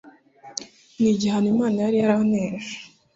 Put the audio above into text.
” N’igihano Imana yari yanteje